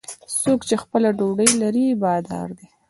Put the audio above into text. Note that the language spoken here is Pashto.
څوک چې خپله ډوډۍ لري، بادار دی.